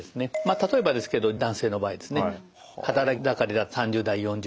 例えばですけど男性の場合ですね働き盛りだと３０代４０代。